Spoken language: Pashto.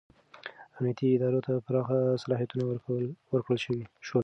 امنیتي ادارو ته پراخ صلاحیتونه ورکړل شول.